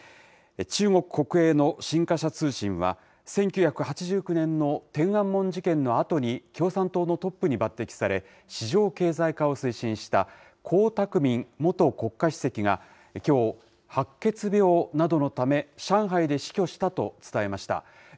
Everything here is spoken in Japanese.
中国国営の新華社通信は、１９８９年の天安門事件のあとに共産党のトップに抜てきされ、市場経済化を推進した江沢民元国家主席が、きょう、白血病などのため上海で死去したと伝えました。